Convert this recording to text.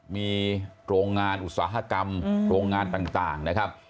มีโรงงานอุตสาหกรรมโรงงานต่าง